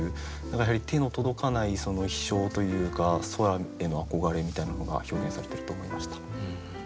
何かやはり手の届かないその飛しょうというか空への憧れみたいなのが表現されてると思いました。